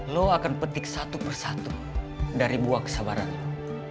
lo akan petik satu persatu dari buah kesabaran lo